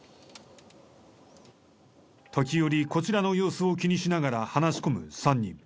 時折こちらの様子を気にしながら話し込む３人。